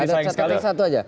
ada catatan satu saja